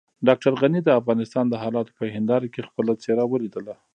ډاکټر غني د افغانستان د حالاتو په هنداره کې خپله څېره وليده.